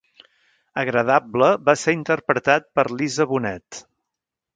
Agradable va ser interpretat per Lisa Bonet.